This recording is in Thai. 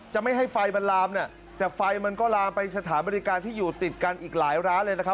ไม่ให้ไฟมันลามเนี่ยแต่ไฟมันก็ลามไปสถานบริการที่อยู่ติดกันอีกหลายร้านเลยนะครับ